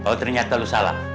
oh ternyata lo salah